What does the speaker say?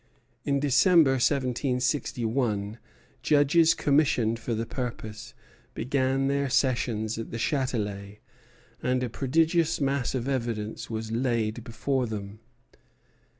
In December, 1761, judges commissioned for the purpose began their sessions at the Châtelet, and a prodigious mass of evidence was laid before them.